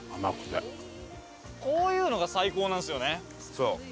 そう！